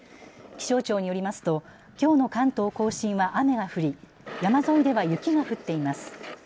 気象庁によりますときょうの関東甲信は雨が降り山沿いでは雪が降っています。